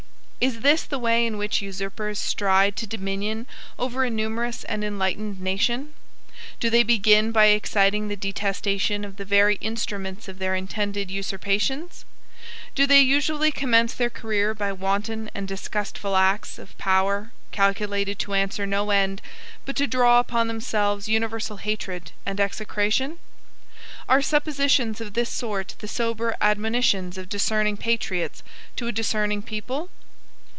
Is this the way in which usurpers stride to dominion over a numerous and enlightened nation? Do they begin by exciting the detestation of the very instruments of their intended usurpations? Do they usually commence their career by wanton and disgustful acts of power, calculated to answer no end, but to draw upon themselves universal hatred and execration? Are suppositions of this sort the sober admonitions of discerning patriots to a discerning people?